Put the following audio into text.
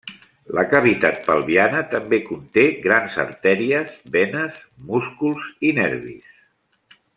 La cavitat pelviana també conté grans artèries, venes, músculs i nervis.